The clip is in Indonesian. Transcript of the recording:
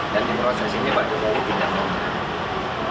dan di proses ini pak jokowi tidak mau mengadu